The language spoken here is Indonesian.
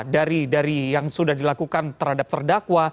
dari yang sudah dilakukan terhadap terdakwa